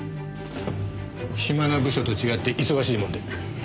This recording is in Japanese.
暇な部署と違って忙しいもんで。